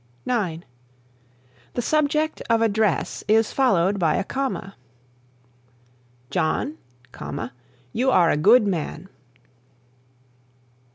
(9) The subject of address is followed by a comma: "John, you are a good man."